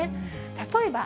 例えば、